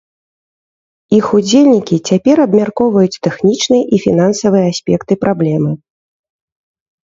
Іх удзельнікі цяпер абмяркоўваюць тэхнічныя і фінансавыя аспекты праблемы.